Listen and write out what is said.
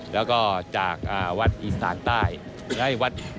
แล้วก็จากวัดอีสานใต้